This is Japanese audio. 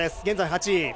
現在８位。